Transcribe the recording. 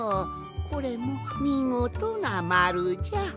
これもみごとなまるじゃ。